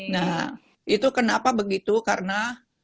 nah itu kenapa begitu karena